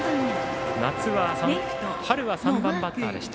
春は３番バッターでした。